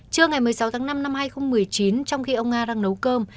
trưa ngày một mươi sáu tháng năm năm hai nghìn một mươi chín trong khi ông nga đang nấu cơm